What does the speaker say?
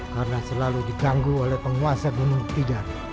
karena selalu diganggu oleh penguasa gunung tidar